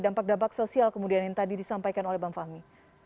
dampak dampak sosial kemudian yang tadi disampaikan oleh bang fahmi